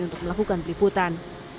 untuk melakukan peliputan